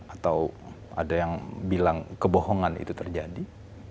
atau ada yang bilang kebohongan itu terjadi